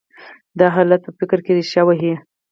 دا حالت په فکر کې رېښه وهي.